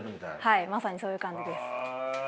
はいまさにそういう感じです。